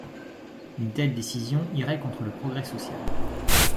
Une telle décision irait contre le progrès social.